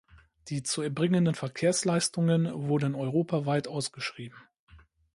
Die zu erbringenden Verkehrsleistungen wurden europaweit ausgeschrieben.